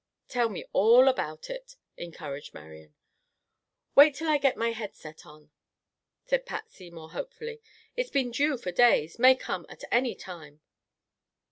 "Tell me all about it," encouraged Marian. "Wait till I get my head set on," said Patsy, more hopefully. "It's been due for days; may come at any time."